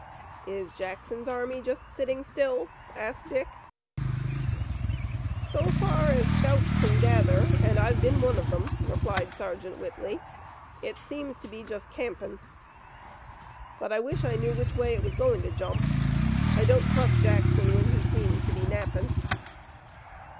"Is Jackson's army just sitting still?" asked Dick. "So far as scouts can gather, an' I've been one of them," replied Sergeant Whitley, "it seems to be just campin'. But I wish I knew which way it was goin' to jump. I don't trust Jackson when he seems to be nappin'."